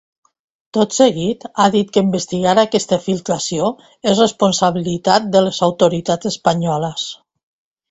Tot seguit, ha dit que investigar aquesta filtració és responsabilitat de les autoritats espanyoles.